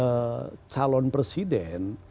kalau di calon presiden